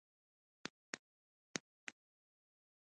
ټول د قانون په وړاندې برابر دي په پښتو ژبه.